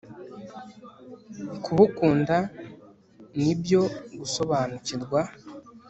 kubukunda ni byo gusobanukirwa